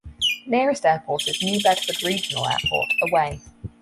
The nearest airport is New Bedford Regional Airport, away.